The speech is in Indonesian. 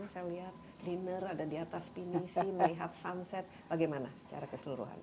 saya lihat dinner ada di atas pinisi melihat sunset bagaimana secara keseluruhan